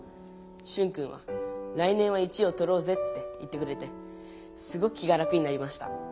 シュンくんは「来年は１位をとろうぜ」って言ってくれてすごく気が楽になりました。